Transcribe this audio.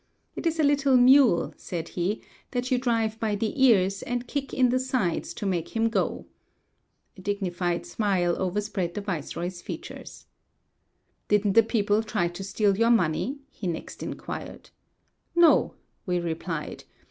"It is a little mule," said he, "that you drive by the ears, and kick in the sides to make him go." A dignified smile overspread the viceroy's features. "Didn't the people try to steal your money?" he next inquired. "No," we replied.